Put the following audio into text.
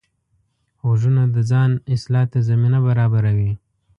غوږونه د ځان اصلاح ته زمینه برابروي